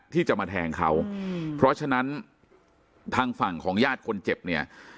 ที่จะมาแทงเขาเพราะฉะนั้นทางฝั่งของญาติคนเจ็บเนี่ย